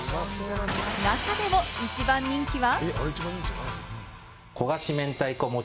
中でも一番人気は。